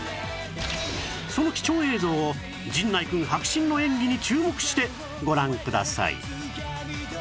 その貴重映像を陣内くん迫真の演技に注目してご覧ください